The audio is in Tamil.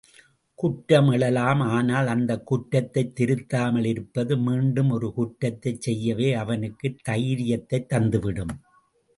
குற்றம் எழலாம் ஆனால், அந்தக் குற்றத்தைத் திருத்தாமல் இருப்பது, மீண்டும் ஒரு குற்றத்தைச் செய்யவே அவனுக்குத் தைரியத்தைத் தந்துவிடும்.